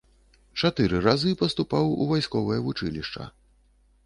Чатыры разы паступаў у вайсковае вучылішча.